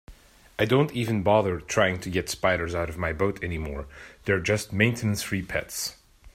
I don't even bother trying to get spiders out of my boat anymore, they're just maintenance-free pets.